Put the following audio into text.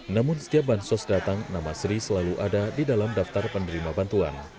namun setiap bansos datang nama sri selalu ada di dalam daftar penerima bantuan